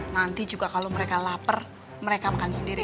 nanti juga kalau mereka lapar mereka makan sendiri